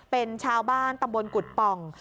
เป็นชาวบ้านตำบลกุฎป่อง